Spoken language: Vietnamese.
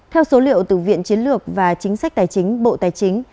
theo số liệu từ viện chiến lược và chính sách tài chính bộ tài chính